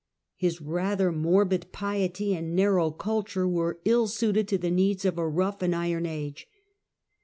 His rather morbid piety and narrow culture were ill suited to the needs of a rough and iron age.